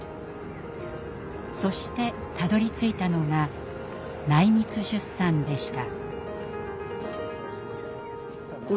そしてたどりついたのが内密出産でした。